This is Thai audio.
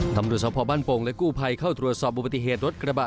ตำรวจสภาพบ้านโป่งและกู้ภัยเข้าตรวจสอบอุบัติเหตุรถกระบะ